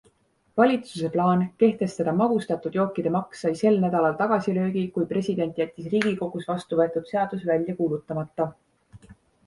Valitsuse plaan kehtestada magustatud jookide maks sai sel nädalal tagasilöögi kui president jättis riigikogus vastu võetud seaduse välja kuulutamata.